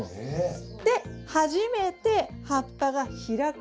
で初めて葉っぱが開く。